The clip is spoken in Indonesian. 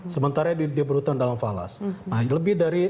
sementara dia berhutang dalam falas